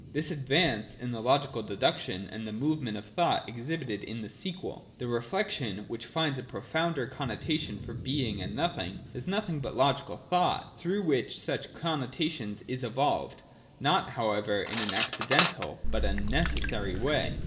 This advance is the logical deduction and the movement of thought exhibited in the sequel. The reflection which finds a profounder connotation for Being and Nothing is nothing but logical thought, through which such con notation is evolved, not, however, in an accidental, but a necessary way.